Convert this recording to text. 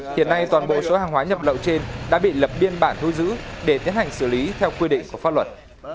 hiện nay toàn bộ số hàng hóa nhập lậu trên đã bị lập biên bản thu giữ để tiến hành xử lý theo quy định của pháp luật